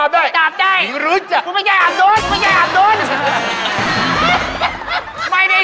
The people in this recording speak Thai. ไม่ได้เลยลูกเลยมา